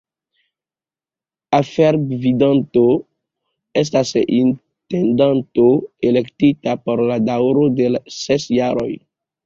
Afergvidanto estas intendanto elektita por la daŭro de ses jaroj.